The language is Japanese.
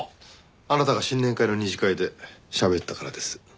あなたが新年会の二次会でしゃべったからです。